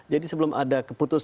tapi atau bowo